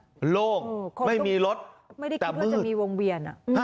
ตรงไม่มีรถแต่มืดไม่ได้คิดว่าจะมีวงเวียน